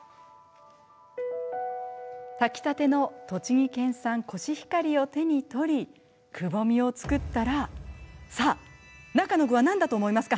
炊きたての栃木県産コシヒカリを手に取り、くぼみを作ったらさあ中の具は何だと思いますか？